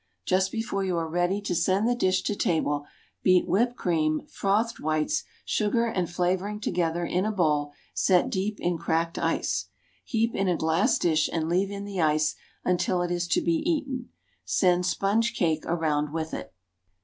Just before you are ready to send the dish to table, beat whipped cream, frothed whites, sugar and flavoring together in a bowl set deep in cracked ice. Heap in a glass dish and leave in the ice until it is to be eaten. Send sponge cake around with it.